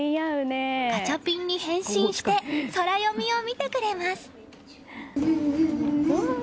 ガチャピンに変身してソラよみを見てくれます。